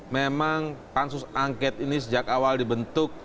memang pansus angket ini sejak awal dibentuk